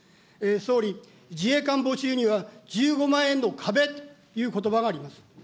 総理、自衛官募集には１５万円の壁ということばがあります。